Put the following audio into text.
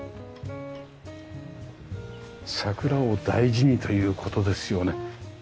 桜を大事にという事ですよね。